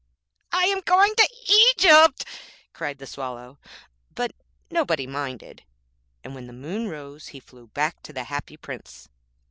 'I am going to Egypt!' cried the Swallow, but nobody minded, and when the moon rose he flew back to the Happy Prince.